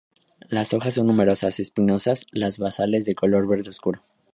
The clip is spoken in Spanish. Las hojas son numerosas, espinosas, las basales de color verde oscuro.